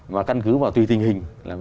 mà căn cứ vào tùy tình hình